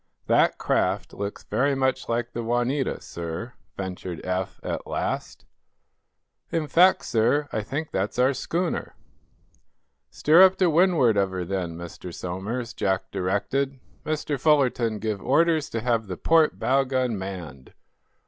"That craft looks very much like the 'Juanita,' sir," ventured Eph, at last. "In fact, sir, I think that's our schooner." "Steer up to windward of her, then, Mr. Somers," Jack directed. "Mr. Fullerton, give orders to have the port bow gun manned.